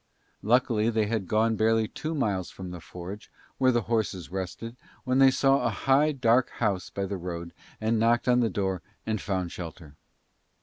Luckily they had gone barely two miles from the forge where the horses rested, when they saw a high, dark house by the road and knocked on the door and found shelter.